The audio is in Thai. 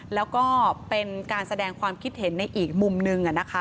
แล้วก็เป็นการแสดงความคิดเห็นในอีกมุมหนึ่ง